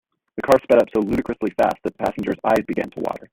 The car sped up so ludicrously fast that the passengers eyes began to water.